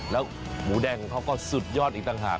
แล้วหมูแดงของเขาก็สุดยอดอีกต่างหาก